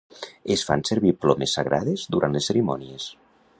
Es fan servir plomes sagrades durant les cerimònies.